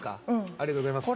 ありがとうございます